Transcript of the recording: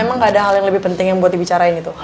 emang gak ada hal yang lebih penting yang buat dibicarain itu